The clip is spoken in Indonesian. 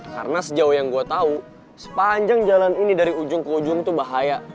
karena sejauh yang gue tau sepanjang jalan ini dari ujung ke ujung tuh bahaya